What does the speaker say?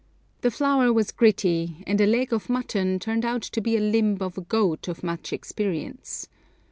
The flour was gritty, and a leg of mutton turned out to be a limb of a goat of much experience.